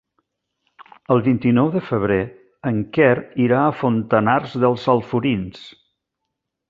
El vint-i-nou de febrer en Quer irà a Fontanars dels Alforins.